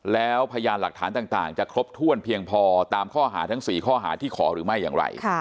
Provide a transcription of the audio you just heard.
แล้วพยานหลักฐานต่างจะครบถ้วนเพียงพอตามข้อหาทั้ง๔ข้อหาที่ขอหรือไม่อย่างไร